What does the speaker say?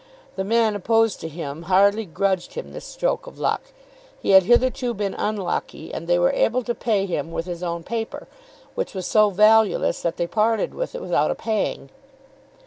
The men opposed to him hardly grudged him this stroke of luck. He had hitherto been unlucky; and they were able to pay him with his own paper, which was so valueless that they parted with it without a pang.